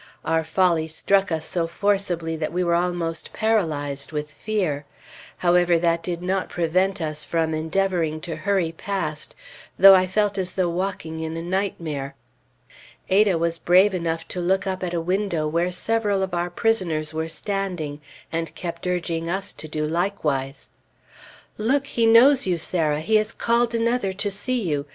Our folly struck us so forcibly that we were almost paralyzed with fear. However, that did not prevent us from endeavoring to hurry past, though I felt as though walking in a nightmare. Ada was brave enough to look up at a window where several of our prisoners were standing, and kept urging us to do likewise. "Look! He knows you, Sarah! He has called another to see you!